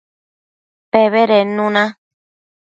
Pebedednu na